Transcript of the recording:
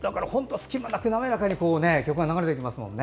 隙間なく滑らかに曲が流れていきますもんね。